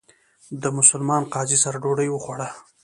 د مسلمان قاضي سره ډوډۍ وخوړه.